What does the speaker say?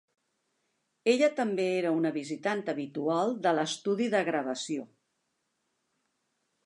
Ella també era una visitant habitual de l'estudi de gravació.